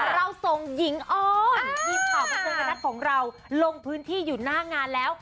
เราส่งหญิงออมทีมข่าวประเภทของเราลงพื้นที่อยู่หน้างานแล้ว